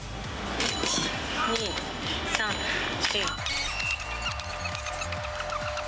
１、２、３、４。